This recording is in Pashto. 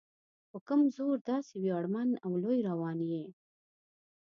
په کوم زور داسې ویاړمن او لوی روان یې؟